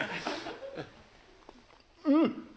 うん！